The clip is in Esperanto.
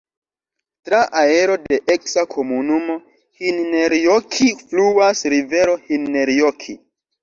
Tra areo de eksa komunumo Hinnerjoki fluas rivero Hinnerjoki.